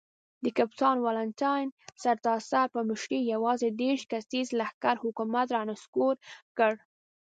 د کپټان والنټاین سټراسر په مشرۍ یوازې دېرش کسیز لښکر حکومت را نسکور کړ.